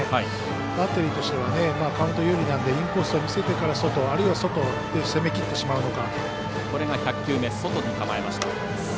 バッテリーとしてはカウント有利なのでインコースを見せてから外あるいは外で攻めきってしまうのか。